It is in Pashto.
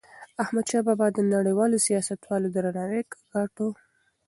احمدشاه بابا د نړیوالو سیاستوالو درناوی ګاټه.